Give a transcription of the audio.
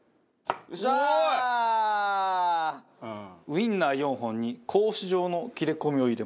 ウインナー４本に格子状の切れ込みを入れます。